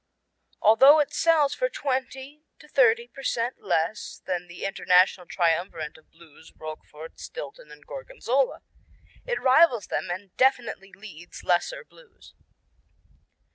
Although it sells for 20% to 30% less than the international triumvirate of Blues, Roquefort, Stilton and Gorgonzola, it rivals them and definitely leads lesser Blues.